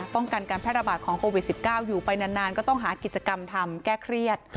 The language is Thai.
ป้องกันการแพร่ระบาดของโควิด๑๙อยู่ไปนานก็ต้องหากิจกรรมทำแก้เครียด